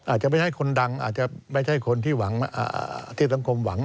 อาจจะไม่ใช่คนดังอาจจะไม่ใช่คนที่หวังที่สังคมหวัง